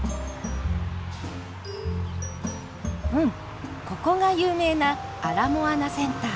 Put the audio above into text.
うんここが有名なアラモアナセンター。